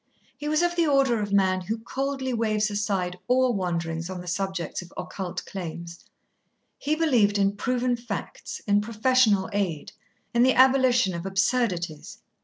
He was of the order of man who coldly waves aside all wanderings on the subjects of occult claims. He believed in proven facts, in professional aid, in the abolition of absurdities.